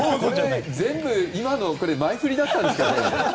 全部今の前振りだったんですか？